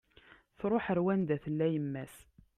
Truḥ ar wanda i tella yemma-s